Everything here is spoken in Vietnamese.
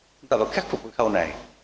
chúng ta phải khắc phục cái khâu này